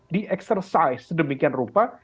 di eksersis sedemikian rupa